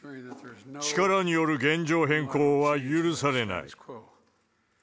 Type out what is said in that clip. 力による現状変更は許されない。